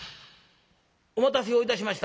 お待たせをいたしました」。